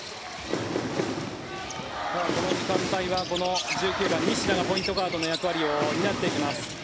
この時間帯は１９番、西田がポイントガードの役割を担っていきます。